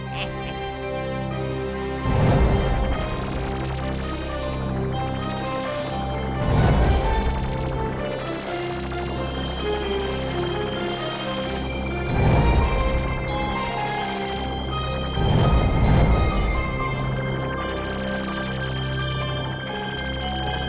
sungguh buruk nasibmu cahayu